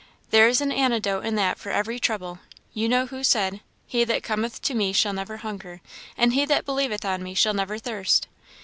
"There is an antidote in that for every trouble. You know who said, 'He that cometh to me shall never hunger, and he that believeth on me shall never thirst.'